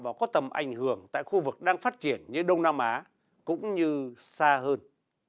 và có tầm ảnh hưởng tại khu vực đang phát triển như đông nam á cũng như xa hơn